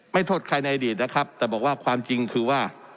โทษใครในอดีตนะครับแต่บอกว่าความจริงคือว่า